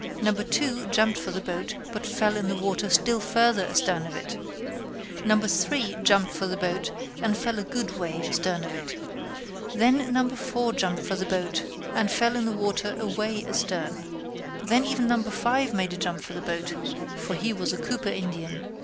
Then No. 2 jumped for the boat, but fell in the water still farther astern of it. Then No. 3 jumped for the boat, and fell a good way astern of it. Then No. 4 jumped for the boat, and fell in the water away astern. Then even No. 5 made a jump for the boat for he was a Cooper Indian.